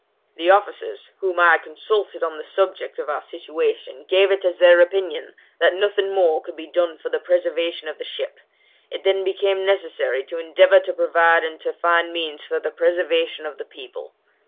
'The officers, whom I had consulted on the subject of our situation, gave it as their opinion that nothing more could be done for the preservation of the ship; it then became necessary to endeavour to provide and to find means for the preservation of the people.